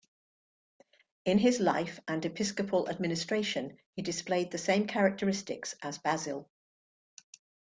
In his life and episcopal administration he displayed the same characteristics as Basil.